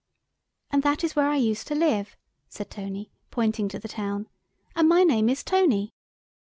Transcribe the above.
"And that is where I used to live," said Tony, pointing to the town, "and my name is Tony."